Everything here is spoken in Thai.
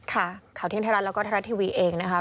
ข่าวเที่ยงไทยรัฐแล้วก็ไทยรัฐทีวีเองนะคะ